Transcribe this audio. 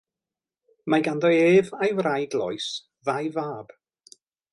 Mae ganddo ef a'i wraig, Lois, ddau fab.